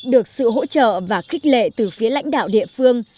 được sự hỗ trợ và kích lệ từ phía lãnh đạo địa phương